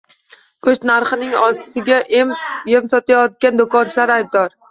Go`sht narxining oshishiga em sotayotgan do`konchilar aybdor